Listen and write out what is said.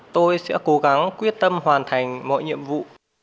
tôi sẽ cố gắng quyết tâm hoàn thành mọi nhiệm vụ